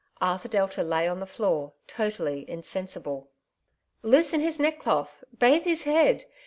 Arthur Delta lay on the floor totally insensible. *' Loosen his neckcloth ! bathe his head